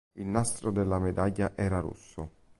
Il nastro della medaglia era rosso.